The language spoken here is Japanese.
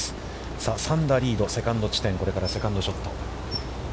さあ、３打リード、セカンド地点、これからセカンドショット。